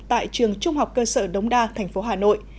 tại trường trung học cơ sở đống đa thành phố hà nội